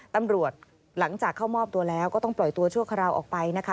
ตำรวจหลังจากเข้ามอบตัวแล้วก็ต้องปล่อยตัวชั่วคราวออกไปนะคะ